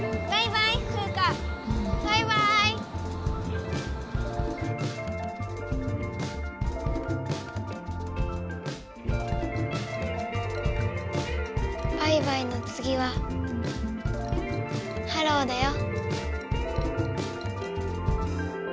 バイバイのつぎはハローだよ。